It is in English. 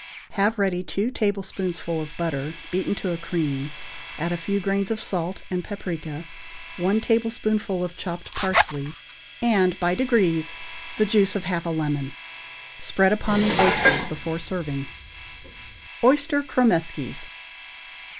Have ready two tablespoonfuls of butter beaten to a cream; add a few grains of salt and paprica, one tablespoonful of chopped parsley, and, by degrees, the juice of half a lemon. Spread upon the oysters before serving. =Oyster Cromeskies.